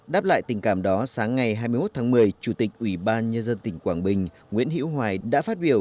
đáp lại tình cảm đó sáng ngày hai mươi một tháng một mươi chủ tịch ubnd tỉnh quảng bình nguyễn hữu hoài đã phát biểu